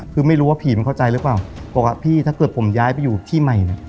คือไม่รู้ว่าผีมันเข้าใจหรือเปล่าบอกว่าพี่ถ้าเกิดผมย้ายไปอยู่ที่ใหม่เนี่ย